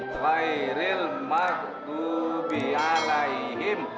khairil maktubi alaihim